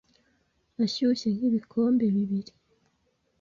ashyushye nk’ibikombe bibiri,